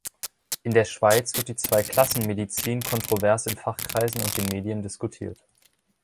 In der Schweiz wird die Zwei-Klassen-Medizin kontrovers in Fachkreisen und den Medien diskutiert.